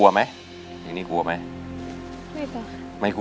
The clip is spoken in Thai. แล้วกลัวว่าไมค่ะ